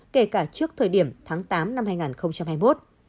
kể cả trước thời điểm tháng tám năm hai nghìn hai mươi một